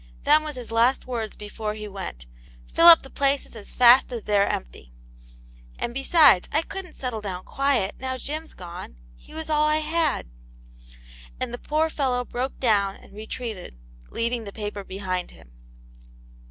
Them was his last words before he went :' Fill up the places as fast as they're empty.' And besides, I couldn't settle down quiet, now Jim's gone. He was all I had." And the poor fellow broke down, and retreated, leaving the paper behind him.